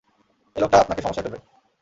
এই লোকটা আপনাকে সমস্যায় ফেলবে।